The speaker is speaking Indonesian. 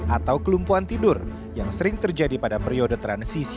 atau kelumpuhan tidur yang sering terjadi pada periode transisi